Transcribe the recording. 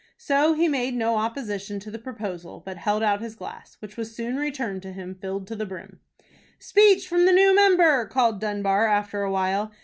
So he made no opposition to the proposal, but held out his glass, which was soon returned to him filled to the brim. "Speech from the new member!" called Dunbar, after a while.